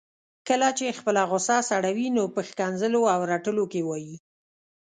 کله چي خپله غصه سړوي نو په ښکنځلو او رټلو کي وايي